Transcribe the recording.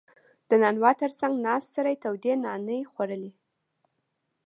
• د نانوا تر څنګ ناست سړی تودې نانې خوړلې.